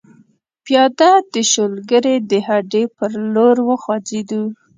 پیاده د شولګرې د هډې پر لور وخوځېدو.